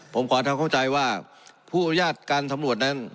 ผมขอทำเข้าใจว่าผู้อนุญาตการสำรวจนั้น